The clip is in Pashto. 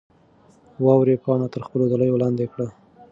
واورې پاڼه تر خپلو دلیو لاندې کړه.